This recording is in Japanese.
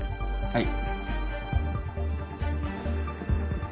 はい。